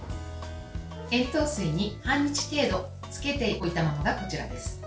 塩糖水に半日程度つけておいたものがこちらです。